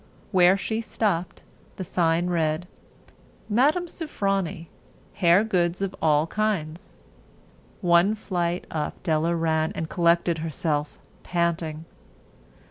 Where she stopped the sign read: "Mme. Sofronie. Hair Goods of All Kinds." One flight up Della ran, and collected herself, panting.